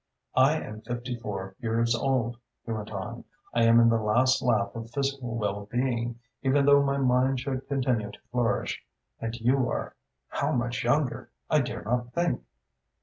"I am fifty four years old," he went on. "I am in the last lap of physical well being, even though my mind should continue to flourish. And you are how much younger! I dare not think."